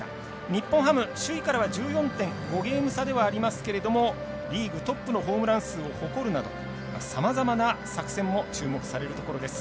日本ハム、首位からは１４．５ゲーム差ではありますけれどもリーグトップのホームラン数を誇るなどさまざまな作戦も注目されるところです。